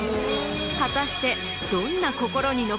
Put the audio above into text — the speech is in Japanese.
果たして。